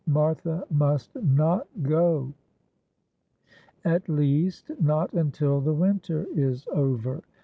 Martha must not go, at least, not until the winter is over.